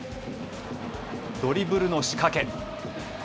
ドリブルの仕掛け。